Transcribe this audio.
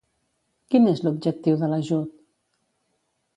Quin és l'objectiu de l'ajut?